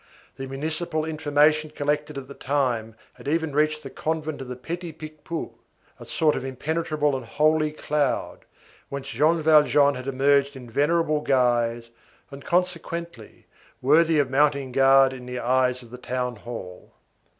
The municipal information collected at that time had even reached the convent of the Petit Picpus, a sort of impenetrable and holy cloud, whence Jean Valjean had emerged in venerable guise, and, consequently, worthy of mounting guard in the eyes of the town hall.